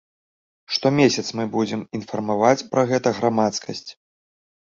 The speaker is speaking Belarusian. Штомесяц мы будзем інфармаваць пра гэта грамадскасць.